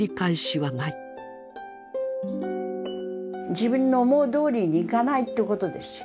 自分の思うどおりにいかないってことですよ。